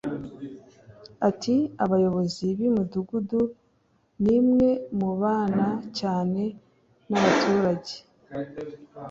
Ati "Abayobozi b’imidugudu nimwe mubana cyane n’abaturage